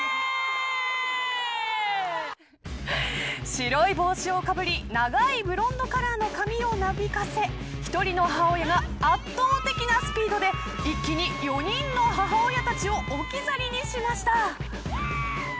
白い帽子をかぶり長いブロンドカラーの髪をなびかせ一人の母親が圧倒的なスピードで一気に４人の母親たちを置き去りにしました。